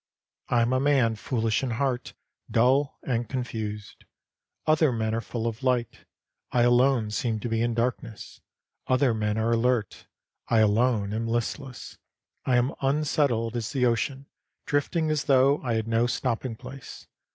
I am a man foolish in heart, dull and confused. Other men are full of light ; I alone seem to be in darkness. Other men are alert ; I alone am listless. I am unsettled as the ocean, drifting as though I had no stopping place.